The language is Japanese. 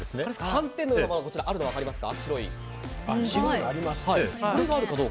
斑点のようなものがあるの分かりますか？